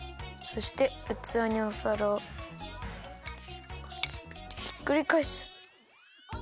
そしてうつわにおさらをかぶせてひっくりかえす。